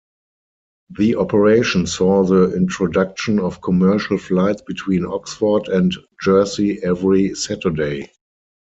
The operation saw the introduction of commercial flights between Oxford and Jersey every Saturday.